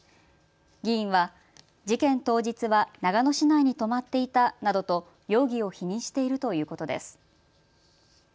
議員は事件当日は長野市内に泊まっていたなどと容疑を否認しているということです。